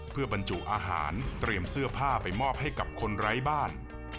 เพื่อบรรจุอาหารเตรียมเสื้อผ้าไปมอบให้กับคนไร้บ้าน